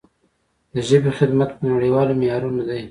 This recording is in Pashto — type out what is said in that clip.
د ژبې خدمت په نړیوالو معیارونو دی.